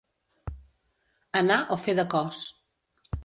Anar o fer de cos.